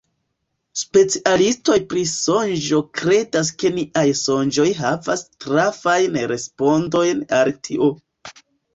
Specialistoj pri sonĝo kredas ke niaj sonĝoj havas trafajn respondojn al tio.